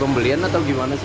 pembelian atau gimana sih